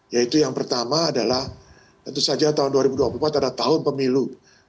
yaitu yang pertama adalah tentu saja tahun dua ribu dua puluh empat ada tahun pemilu